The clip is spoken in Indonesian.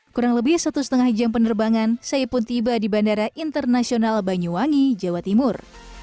kurang lebih satu lima jam penerbangan saya pun tiba di bandara internasional banyuwangi jawa timur